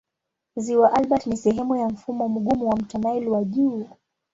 Ziwa Albert ni sehemu ya mfumo mgumu wa mto Nile wa juu.